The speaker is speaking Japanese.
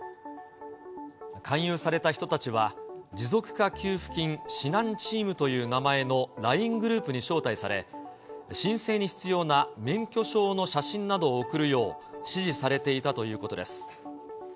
勧誘された人たちは、持続化給付金指南チームという名前のＬＩＮＥグループに招待され、申請に必要な免許証の写真などを送るよう、指示されていたということです。